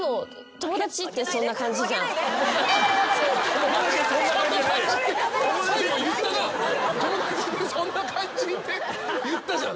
「友達ってそんな感じ」って言ったじゃん。